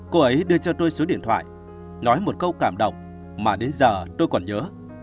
cô ấy đưa cho tôi số điện thoại nói một câu cảm động mà đến giờ tôi còn nhớ